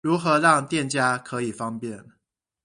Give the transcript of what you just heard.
如何讓店家可以方便